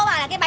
con đi về đi